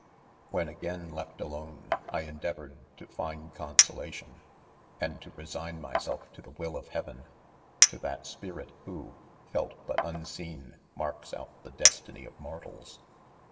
' When again left alone, I endeavored, to find consolation, and to resign myself to the will of Heaven, to that spirit who, felt but im= seen, marks out the destiny of mortals.